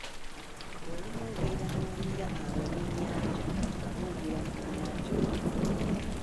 Olumu ogenda n’owulira abalunnyanja nga boogera ku nnyanja.